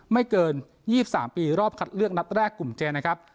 ไม่เกินยี่สิบสามปีรอบคัดเลือกนัดแรกกลุ่มเจนนะครับ